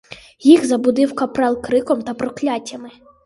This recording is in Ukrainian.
Їх збудив капрал криком та прокляттями.